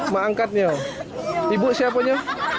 mak angkatnya ibu siapunya